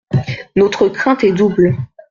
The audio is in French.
Notre crainte est double.